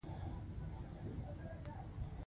د ای ټي ایم ماشینونه فعال دي؟